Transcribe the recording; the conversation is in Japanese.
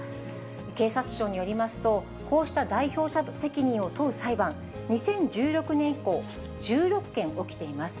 警察庁によりますと、こうした代表者責任を問う裁判、２０１６年以降、１６件起きています。